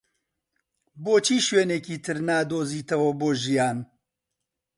بۆچی شوێنێکی تر نادۆزیتەوە بۆ ژیان؟